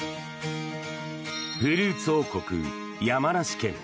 フルーツ王国、山梨県。